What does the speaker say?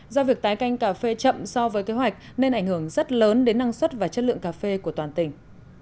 do việc tái canh cà phê chậm so với kế hoạch nên ảnh hưởng rất lớn đến năng suất và chất lượng cà phê của toàn tỉnh